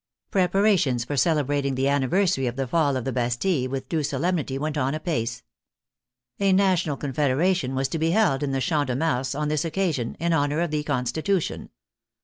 Preparations for celebrating the anniversary of the fall of the Bastille with due solemnity went on apace. A national confederation was to be held in the Champ de Mars on this occasion in honor of the constitution.